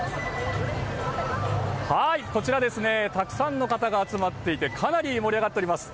こちらたくさんの方が集まっていてかなり盛り上がっております。